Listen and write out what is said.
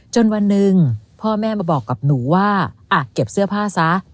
วันหนึ่งพ่อแม่มาบอกกับหนูว่าอ่ะเก็บเสื้อผ้าซะ